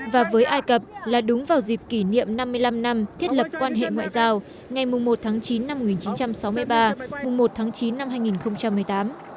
và với ai cập là đúng vào dịp kỷ niệm năm mươi năm năm thiết lập quan hệ ngoại giao ngày một tháng chín năm một nghìn chín trăm sáu mươi ba một tháng chín năm hai nghìn một mươi tám